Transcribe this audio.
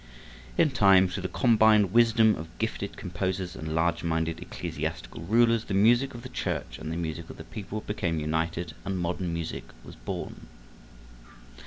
In time, through the combined wisdom of gifted composers and large minded ecclesiastical rulers, the music of the church and the music of the people became united, and modern music was born.